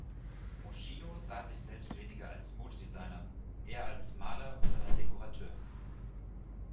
Moschino sah sich selbst weniger als Modedesigner, eher als Maler oder Dekorateur.